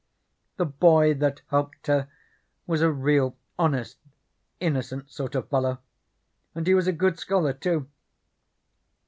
The boy that helped her was a real honest, innocent sort of fellow, and he was a good scholar, too.